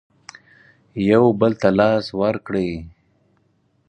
یو بل ته لاس ورکړئ